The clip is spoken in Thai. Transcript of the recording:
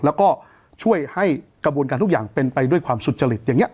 แล้วก็ช่วยให้กระบวนการทุกอย่างเป็นไปด้วยความสุจริตอย่างนี้